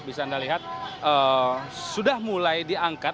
bisa anda lihat sudah mulai diangkat